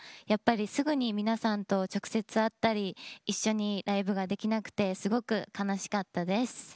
すぐに皆さんと直接会ったり一緒にライブができなくてすごく悲しかったです。